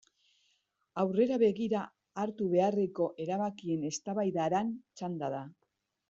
Aurrera begira hartu beharreko erabakien eztabaidaran txanda da.